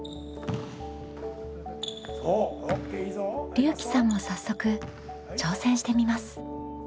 りゅうきさんも早速挑戦してみます。